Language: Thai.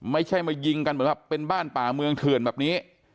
ไม่ใช่มายิงกันเป็นบ้านป่าเมืองเถื่อนแบบนี้